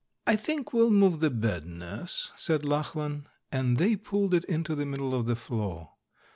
"I think we'll move the bed. Nurse," said Lach lan, and they pulled it into the middle of the floor.